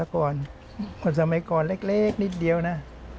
ก่อนคนสมัยก่อนเล็กนิดเดียวนะ